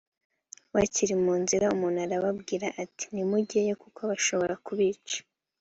bakiri mu nzira umuntu aramubwira ati: nti mujyeyo kuko bashobora kubica